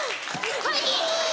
はい！